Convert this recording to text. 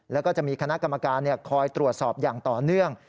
แล้วก็จะมีคณะกรรมการคอยตรวจสอบอย่างต่อเนื่อง